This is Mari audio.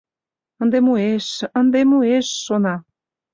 «Ынде муэш, ынде муэш», — шона.